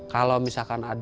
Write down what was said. kalau misalkan ada skateboard